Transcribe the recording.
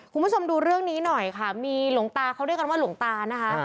คุณผู้ชมดูเรื่องนี้หน่อยค่ะมีหลวงตาเขาเรียกกันว่าหลวงตานะคะ